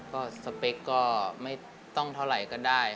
ก็สเปคก็ไม่ต้องเท่าไหร่ก็ได้